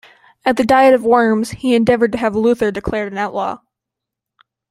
At the Diet of Worms, he endeavored to have Luther declared an outlaw.